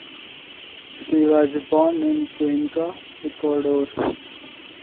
She was born in Cuenca, Ecuador.